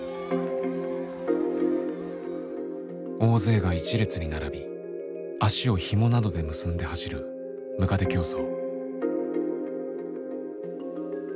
大勢が１列に並び足をヒモなどで結んで走るむかで競走。